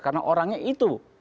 karena orangnya itu